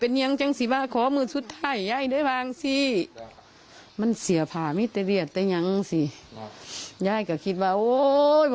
เป็นยังจังสิบผมสูดท้ายแย่ยด้วยแบบท้ายก็คิดบะโอ้ยก็